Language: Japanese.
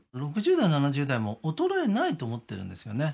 ６０代７０代も衰えないと思ってるんですよね